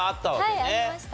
はいありました。